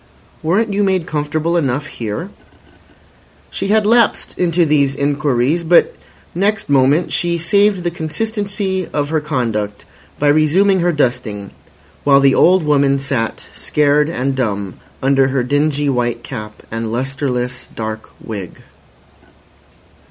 "Weren't you made comfortable enough here?" She had lapsed into these inquiries, but next moment she saved the consistency of her conduct by resuming her dusting, while the old woman sat scared and dumb under her dingy white cap and lustreless dark wig.